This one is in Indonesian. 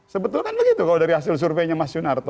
sebetulnya kan begitu kalau dari hasil surveinya mas yunarto